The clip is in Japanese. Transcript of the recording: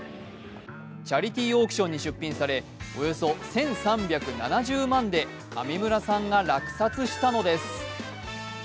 チャリティーオークションに出品され、およそ１３７０万円で上村さんが落札されたのです